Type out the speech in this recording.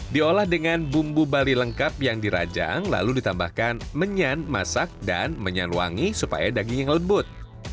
diolah dengan bumbu bali lengkap yang dirajang lalu ditambahkan menyan masak dan menyan wangi supaya dagingnya lembut